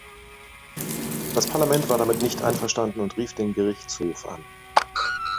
Das Parlament war damit nicht einverstanden und rief den Gerichtshof an.